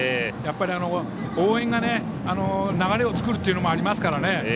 やっぱり、応援が流れを作るというのもありますからね。